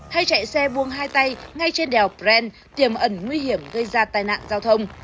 hay chạy xe buông hai tay ngay trên đèo brent tiềm ẩn nguy hiểm gây ra tai nạn giao thông